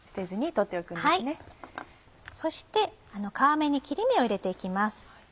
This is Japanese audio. そして皮目に切り目を入れて行きます。